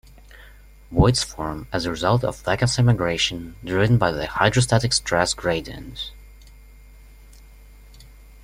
Voids form as result of vacancy migration driven by the hydrostatic stress gradient.